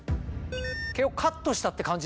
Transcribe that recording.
毛をカットしたって感じ。